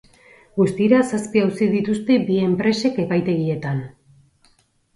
Guztira, zazpi auzi dituzte bi enpresek epaitegietan.